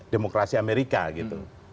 demokrasi amerika gitu